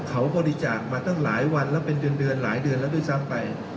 เขาบริจาคมาตั้งหลายวันแล้วเป็นเดือนหลายเดือนแล้วด้วยซ้ำไป